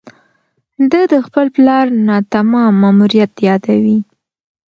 ده د خپل پلار ناتمام ماموریت یادوي.